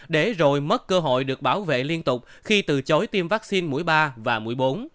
để rồi mất cơ hội được bảo vệ liên tục khi từ chối tiêm vaccine mũi ba và mũi bốn